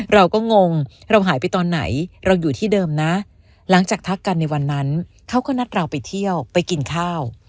เราก็งงเราหายไปตอนไหนเราอยู่ที่เดิมนะหลังจากทักกันในวันนั้นเขาก็นัดเราไปเที่ยวไปกินข้าว